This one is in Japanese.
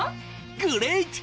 グレイト！